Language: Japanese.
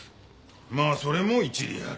まあそれも一理ある。